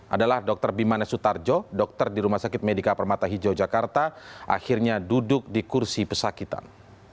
adalah dr bimane sutarjo dokter di rumah sakit medika permata hijau jakarta akhirnya duduk di kursi pesakitan